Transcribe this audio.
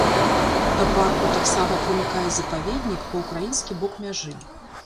Да парку таксама прымыкае запаведнік па ўкраінскі бок мяжы.